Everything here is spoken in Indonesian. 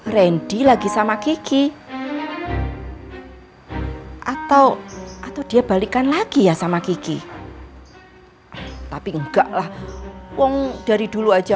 randy lagi sama kiki atau dia balikan lagi ya sama kiki tapi enggak lah wong dari dulu aja